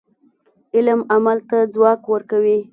علم عمل ته ځواک ورکوي.